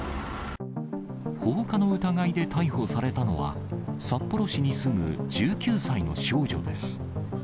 放火の疑いで逮捕されたのは、札幌市に住む１９歳の少女です。